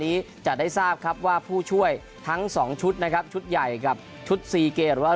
นี้จะได้ทราบครับว่าผู้ช่วยทั้งสองชุดนะครับชุดใหญ่กับชุดซีเกมหรือว่า